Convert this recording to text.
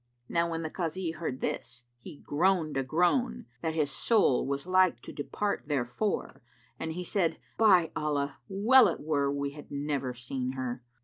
Now when the Kazi heard this, he groaned a groan, that his soul was like to depart therefor, and he said, "By Allah, well it were had we never seen her!"